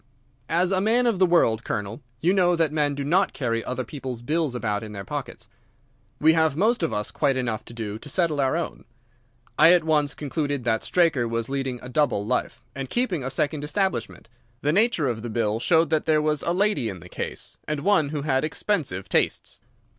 As a man of the world, Colonel, you know that men do not carry other people's bills about in their pockets. We have most of us quite enough to do to settle our own. I at once concluded that Straker was leading a double life, and keeping a second establishment. The nature of the bill showed that there was a lady in the case, and one who had expensive tastes.